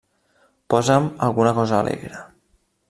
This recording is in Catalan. Posa'm alguna cosa alegre.